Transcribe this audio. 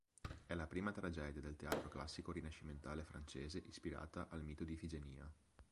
È la prima tragedia del teatro classico rinascimentale francese ispirata al mito di Ifigenia.